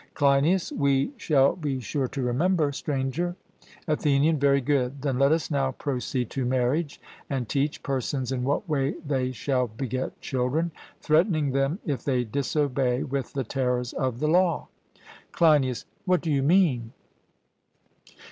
CLEINIAS: We shall be sure to remember, Stranger. ATHENIAN: Very good. Then let us now proceed to marriage, and teach persons in what way they shall beget children, threatening them, if they disobey, with the terrors of the law. CLEINIAS: What do you mean?